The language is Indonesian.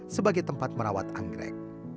sebagai tempat merawat anggrek